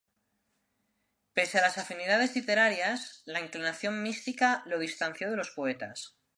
Pese a las afinidades literarias, la inclinación mística lo distanció de los poetas.